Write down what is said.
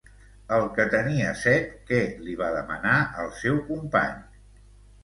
El que tenia set, què li va demanar al seu company?